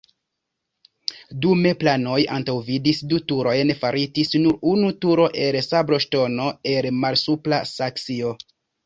Dume planoj antaŭvidis du turojn faritis nur unu turo el sabloŝtono el Malsupra Saksio.